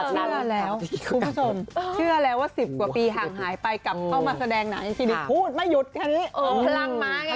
หลังจากนั้นคุณผู้ชมเชื่อแล้วว่า๑๐กว่าปีห่างหายไปกับเข้ามาแสดงหน่ายจริงพูดไม่หยุดพลังมาเนี่ย